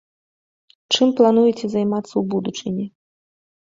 Чым плануеце займацца ў будучыні?